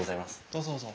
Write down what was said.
どうぞどうぞ。